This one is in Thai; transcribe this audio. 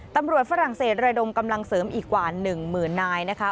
ตำรวจฝรั่งเศสรายโดมกำลังเสริมอีกกว่าหนึ่งหมื่นนายนะคะ